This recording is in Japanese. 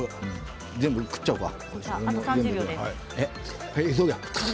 全部食っちゃおうか。